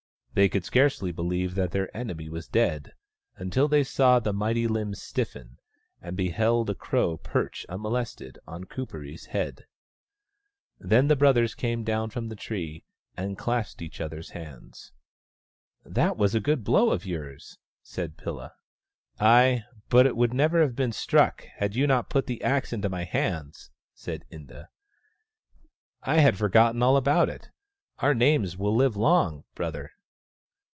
They could scarcely believe that their enemy was dead, until they saw the mighty limbs stiffen, and beheld a crow perch, unmolested, on Kuperee's head. Then the brothers THE STONE AXE OF BURKAMUKK 35 came down from the tree and clasped each other's hands. " That was a good blow of yours," said Pilla. " Ay, but it would never have been struck had you not put the axe into my hands," said Inda. " I had forgotten all about it . Our names will live long, brother."